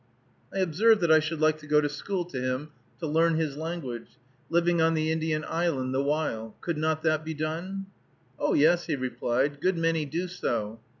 I observed that I should like to go to school to him to learn his language, living on the Indian island the while; could not that be done? "Oh, yer," he replied, "good many do so."